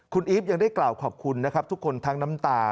คุณอีฟยังได้กล่าวขอบคุณนะครับทุกคนทั้งน้ำตา